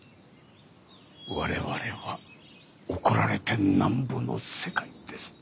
我々は「怒られてなんぼの世界」です。